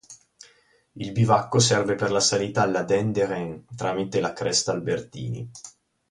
Il bivacco serve per la salita alla Dent d'Hérens tramite la cresta Albertini.